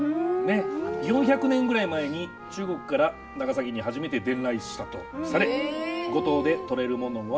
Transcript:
４００年ぐらい前に中国から長崎に初めて伝来したとされ五島でとれるものは一二を争う良品といわれてるそうです。